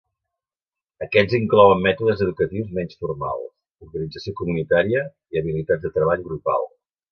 Aquests inclouen mètodes educatius menys formals, organització comunitària i habilitats de treball grupal.